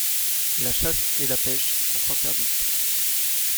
La chasse et la pêche sont interdites.